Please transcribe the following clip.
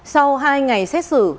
sau hai ngày xét xử